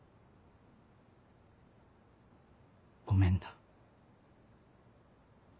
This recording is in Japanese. ごめんな。